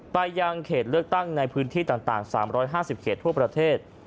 ไปยังเขตเลือกตั้งในพื้นที่ต่าง๓๕๐เขตทั่วประเทศ